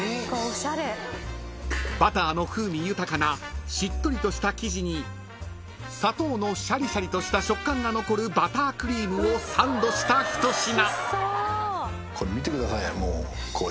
［バターの風味豊かなしっとりとした生地に砂糖のシャリシャリとした食感が残るバタークリームをサンドした一品］